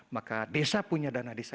maka desa punya dana desa